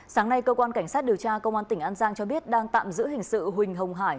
sáng nay cơ quan cảnh sát điều tra công an tỉnh an giang cho biết đang tạm giữ hình sự huỳnh hồng hải